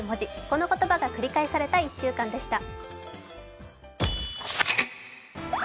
この言葉が繰り返された１週間でした。